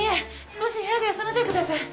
少し部屋で休ませてください。